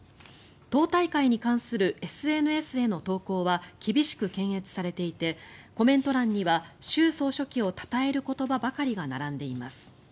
党大会に関するＳＮＳへの投稿は厳しく検閲されていてコメント欄には習総書記をたたえる言葉ばかりが並んでいます。